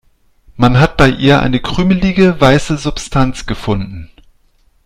Man hat bei ihr eine krümelige, weiße Substanz gefunden.